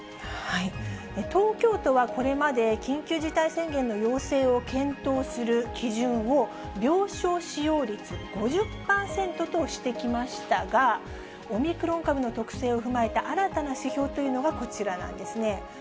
東京都はこれまで、緊急事態宣言の要請を検討する基準を、病床使用率５０％としてきましたが、オミクロン株の特性を踏まえた新たな指標というのがこちらなんですね。